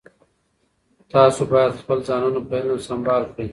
تاسو باید خپل ځانونه په علم سمبال کړئ.